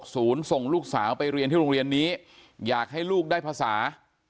ส่งลูกสาวไปเรียนที่โรงเรียนนี้อยากให้ลูกได้ภาษา